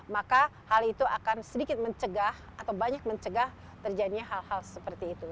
maka hal itu akan sedikit mencegah atau banyak mencegah terjadinya hal hal seperti itu